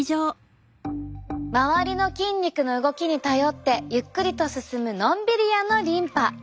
周りの筋肉の動きに頼ってゆっくりと進むのんびり屋のリンパ。